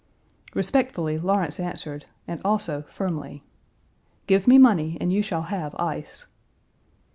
Respectfully Lawrence answered, and also firmly: "Give me money and you shall have ice."